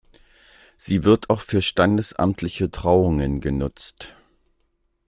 Sie wird auch für standesamtliche Trauungen genutzt.